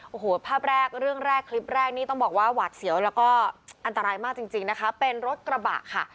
โอ้โหภาพแรกเรื่องแรกคลิปแรกนี่ต้องบอกว่าหวาดเสียวแล้วก็อันตรายมากจริงจริงนะคะเป็นรถกระบะค่ะ